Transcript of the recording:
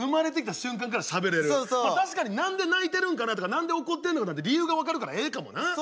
確かに何で泣いてるんかなとか何で怒ってんのかなって理由が分かるからええかもな。